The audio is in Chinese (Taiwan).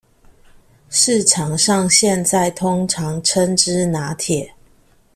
市場上現在通常稱之拿鐵